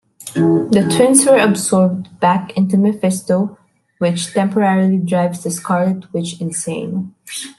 The twins were absorbed back into Mephisto, which temporarily drives the Scarlet Witch insane.